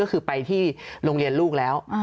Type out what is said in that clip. ก็คือไปที่โรงเรียนลูกแล้ว